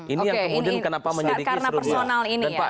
ini yang kemudian kenapa menjadi keseru dia